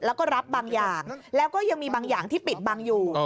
แล้วก็รับบางอย่างแล้วก็ยังมีบางอย่างที่ปิดบังอยู่